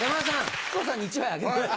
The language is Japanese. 木久扇さんに１枚あげて。